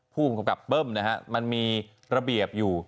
ภูมิกับเบิ้มนะฮะมันมีระเบียบอยู่